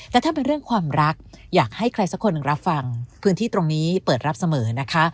แต่ถ้าเป็นเรื่องความรักอยากให้ใครสักคนหนึ่งรับฟังพื้นที่ตรงนี้เปิดรับเสมอนะคะ